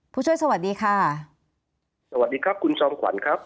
ผู้ช่วยสวัสดีค่ะสวัสดีครับคุณจอมขวัญครับ